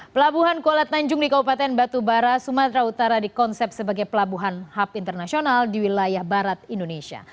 pelabuhan kuala tanjung di kabupaten batubara sumatera utara dikonsep sebagai pelabuhan hub internasional di wilayah barat indonesia